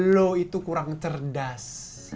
lo itu kurang cerdas